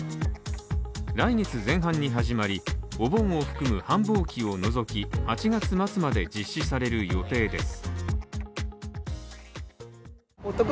来月前半に始まり、お盆を含む繁忙期を除き、８月末まで実施される予定です。